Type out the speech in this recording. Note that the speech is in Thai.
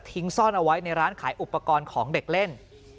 ซ่อนเอาไว้ในร้านขายอุปกรณ์ของเด็กเล่น